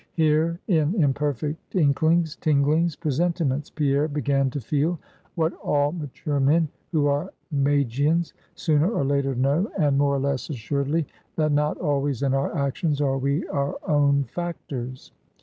Here, in imperfect inklings, tinglings, presentiments, Pierre began to feel what all mature men, who are Magians, sooner or later know, and more or less assuredly that not always in our actions, are we our own factors.